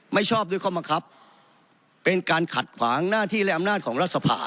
ไม่ชอบได้เข้ามาครับเป็นการขัดขวางหน้าที่และอำนาจของรัฐธรรมนูล